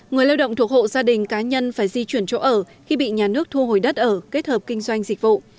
người lao động thuộc hộ gia đình cá nhân phải di chuyển chỗ ở khi bị nhà nước thu hồi đất ở kết hợp kinh doanh dịch vụ